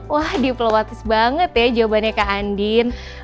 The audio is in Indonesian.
wah diploatis banget ya jawabannya kak andien